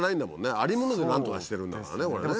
ありもので何とかしてるんだからねこれね。